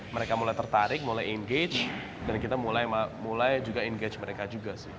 mereka mulai tertarik mulai engage dan kita mulai juga engage mereka juga sih